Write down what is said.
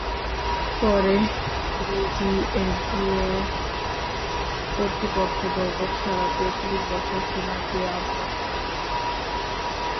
পরে বিজিএমইএ কর্তৃপক্ষ ভবন সরাতে তিন বছর সময় চেয়ে আবেদন করে।